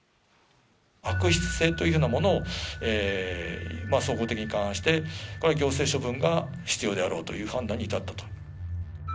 悪質性というようなものを総合的に勘案して、これ、行政処分が必要であろうという判断に至ったと。